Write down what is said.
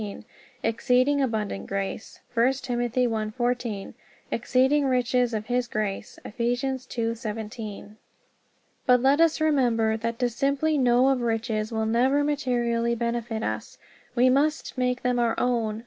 Exceeding abundant grace. 1 Tim. 1:14. Exceeding riches of His grace. Eph. 2:17. But let us remember that to simply know of riches will never materially benefit us. We must make them our own.